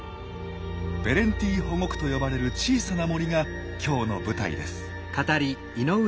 ベレンティ保護区と呼ばれる小さな森が今日の舞台です。